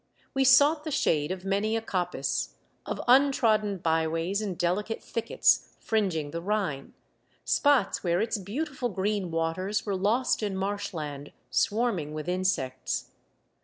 We sought the shade of many a coppice, of untrodden byways and delicate thickets fringing the Rhine, spots where its beau tiful green waters were lost in marsh land swarming with insects.